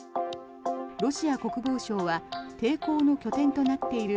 ロシア国防省は抵抗の拠点となっている